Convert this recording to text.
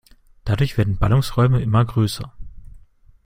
Dadurch werden Ballungsräume immer größer.